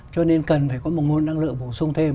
cho nên cần phải có một môn năng lượng bổ sung thêm